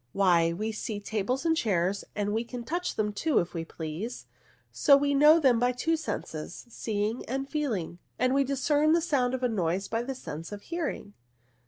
" Why, we see tables and chairs, and we can touch them too if we glease, so we know them by two senses, seeing and feeling." " And we discern a sound by the sense of hearing."